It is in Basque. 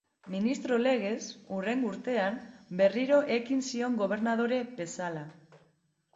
Ministro legez, hurrengo urtean, berriro ekin zion gobernadore bezala.